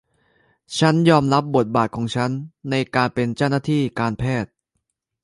ฉันยอมรับบทบาทของฉันในการเป็นเจ้าหน้าที่การแพทย์